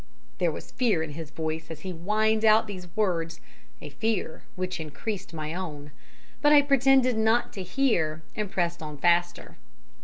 "There was fear in his voice as he whined out these words, a fear which increased my own; but I pretended not to hear, and pressed on faster.